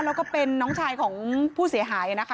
แล้วก็เป็นน้องชายของผู้เสียหายนะคะ